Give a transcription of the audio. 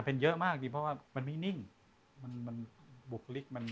เป็นเยอะมากจริงเพราะว่ามันไม่นิ่งมันบุกลิ๊ก